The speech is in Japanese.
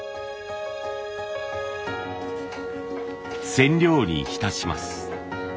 染料にひたします。